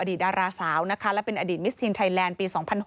ดาราสาวนะคะและเป็นอดีตมิสทีนไทยแลนด์ปี๒๖๖